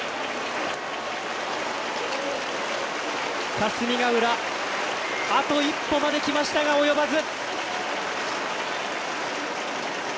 霞ヶ浦、あと一歩まできましたが及ばず。